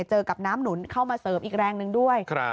เจอกับน้ำหนุนเข้ามาเสริมอีกแรงหนึ่งด้วย